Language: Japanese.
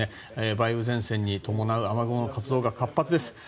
梅雨前線に伴う雨雲の活動が活発です。